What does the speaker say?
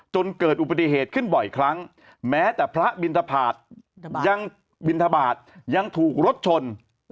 จนเกิดอุบัติเหตุขึ้นบ่อยครั้งแม้แต่พระบินทบาทยังบินทบาทยังถูกรถชน